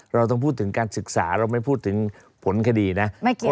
เราต้องพูดถึงการศึกษาเราไม่พูดถึงผลคดีนะ